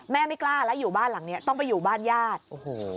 ไม่กล้าแล้วอยู่บ้านหลังเนี้ยต้องไปอยู่บ้านญาติโอ้โห